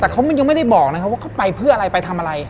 แต่เขายังไม่ได้บอกนะครับว่าเขาไปเพื่ออะไรไปทำอะไร